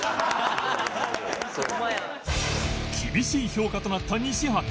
厳しい評価となった西畑